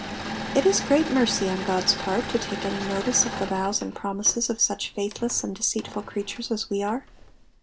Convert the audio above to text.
It is irreat mercy on Ood's part to take any notice of the vows and promises of such fiiithless and deceitful creatures as we are.